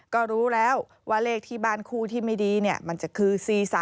ก็รู้แล้วว่าเลขที่บ้านคู่ที่ไม่ดีมันจะคือ๔๓